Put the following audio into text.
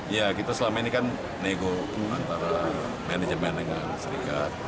ya kita selama ini kan nego antara manajemen dengan serikat